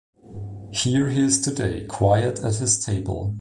Here he is today, quiet at his table.